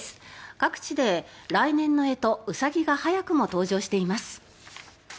各地で来年の干支、ウサギが早くも登場しています。